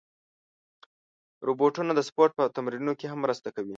روبوټونه د سپورت په تمرینونو کې هم مرسته کوي.